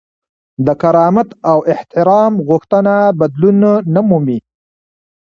د کرامت او احترام غوښتنه بدلون نه مومي.